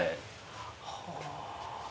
はあ。